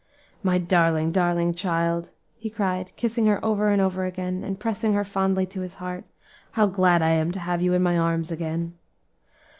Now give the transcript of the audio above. "My darling, darling child," he cried, kissing her over and over again, and pressing her fondly to his heart, "how glad I am to have you in my arms again!"